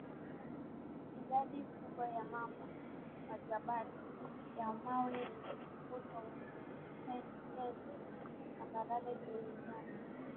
idadi kubwa ya mamba majabali ya mawe yenye mvuto wa kupendeza Tambarare zenye nyasi